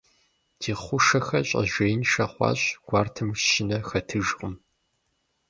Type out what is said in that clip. Ди хъушэхэр щӀэжьеиншэ хъуащ, гуартэм щынэ хэтыжкъым.